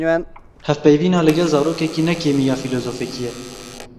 Hevpeyvîna li gel zarokekî, ne kêmî ya fîlozofekî ye.